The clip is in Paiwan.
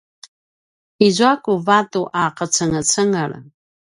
izua ku vatu a qacengecengel